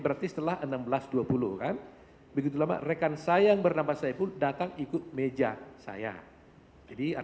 pertanyaan nomor sepuluh